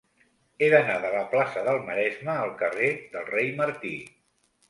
He d'anar de la plaça del Maresme al carrer del Rei Martí.